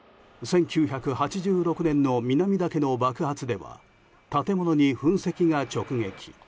１９８６年の南岳の爆発では建物に噴石が直撃。